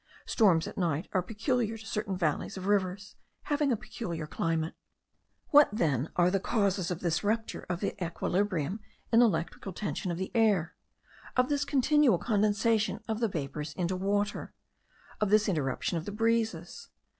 Storms at night are peculiar to certain valleys of rivers, having a peculiar climate. What then are the causes of this rupture of the equilibrium in the electric tension of the air? of this continual condensation of the vapours into water? of this interruption of the breezes?